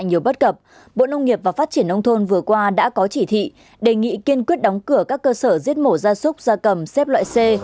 nhiều bất cập bộ nông nghiệp và phát triển nông thôn vừa qua đã có chỉ thị đề nghị kiên quyết đóng cửa các cơ sở giết mổ gia súc gia cầm xếp loại c